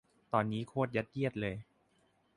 ตอนนี้ โคตรยัดเยียดเลย